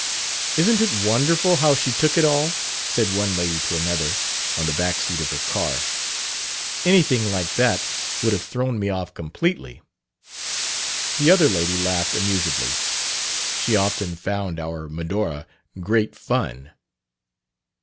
"Isn't it wonderful how she took it all!" said one lady to another, on the back seat of her car. "Anything like that would have thrown me off completely." The other lady laughed amusedly. She often found our Medora "great fun."